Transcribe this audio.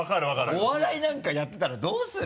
お笑いなんかやってたらどうする？